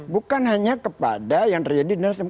bukan hanya kepada yang terjadi di nasdem